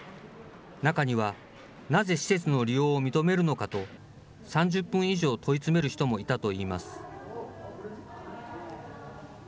中には、なぜ施設の利用を認めるのかと、３０分以上問い詰める人もいたといいます。